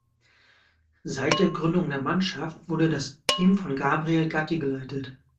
Seit der Gründung der Mannschaft wurde das Team von Gabriel Gatti geleitet.